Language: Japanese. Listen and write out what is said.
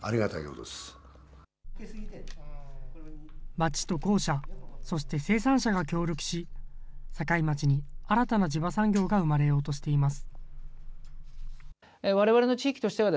町と公社、そして生産者が協力し、境町に新たな地場産業が生まれようとしています。